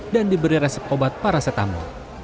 dan diberi resep obat parasetamu